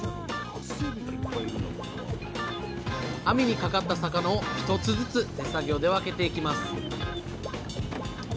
網にかかった魚を一つずつ手作業で分けていきます